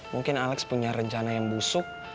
mungkin alex punya rencana yang busuk